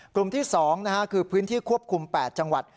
กลุ่มที่๒คือพื้นที่ควบคุม๘จังหวัด